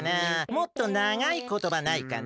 もっとながいことばないかな？